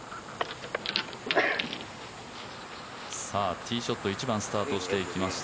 ティーショット１番、スタートしていきました。